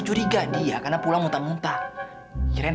cuma pelan pelan pelan pelan